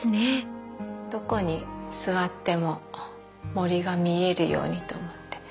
どこに座っても森が見えるようにと思って。